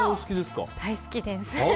大好きです。